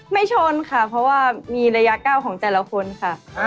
ชนค่ะเพราะว่ามีระยะก้าวของแต่ละคนค่ะ